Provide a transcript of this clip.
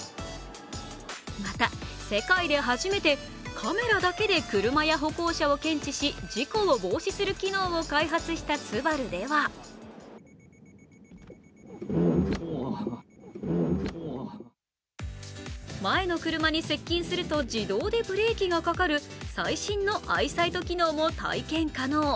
また、世界で初めてカメラだけで車や歩行者を検知し事故を防止する機能を開発したＳＵＢＡＲＵでは前の車に接近すると自動でブレーキがかかる最新のアイサイト機能も体験可能。